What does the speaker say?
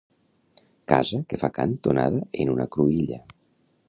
Casa que fa cantonada en una cruïlla.